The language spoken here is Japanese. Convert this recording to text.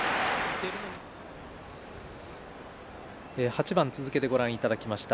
８番続けてご覧いただきました。